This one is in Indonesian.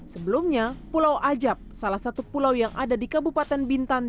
sebelumnya pulau ajab salah satu pulau yang ada di kabupaten bintan